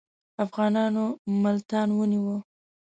افغانانو ملتان ونیوی.